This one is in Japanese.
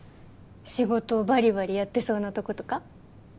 仕事バリバリやってそうなとことか？